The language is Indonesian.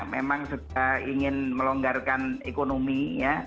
memang ingin melonggarkan ekonomi ya